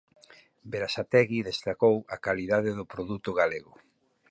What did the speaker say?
Berasategui destacou a calidade do produto galego.